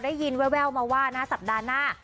ได้ยินแววมาว่านะสัปดาห์หน้า